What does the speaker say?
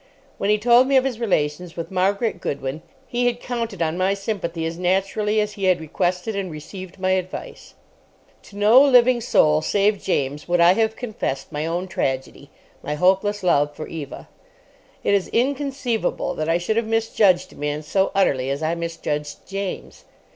When he told me of his relations with Margaret Goodwin he had counted on my sympathy as naturally as he had requested and received my advice. To no living soul, save James, would I have confessed my own tragedy—my hopeless love for Eva. It is inconceivable that I should have misjudged a man so utterly as I misjudged James.